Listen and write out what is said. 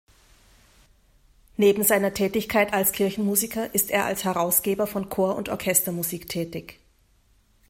Neben seiner Tätigkeit als Kirchenmusiker ist er als Herausgeber von Chor- und Orchestermusik tätig.